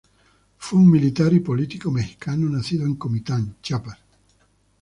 Fue un militar y político mexicano nacido en Comitán, Chiapas.